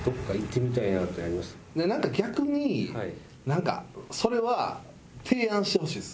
逆になんかそれは提案してほしいです。